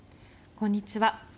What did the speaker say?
こんにちは。